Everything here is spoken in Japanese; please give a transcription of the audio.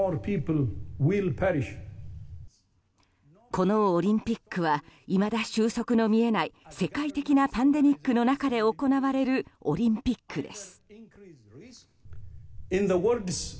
このオリンピックはいまだ終息の見えない世界的なパンデミックの中で行われるオリンピックです。